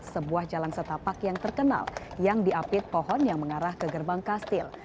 sebuah jalan setapak yang terkenal yang diapit pohon yang mengarah ke gerbang kastil